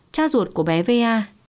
cha ruột của bé va